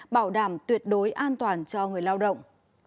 bảo đảm tuyệt đối an toàn cho người lao động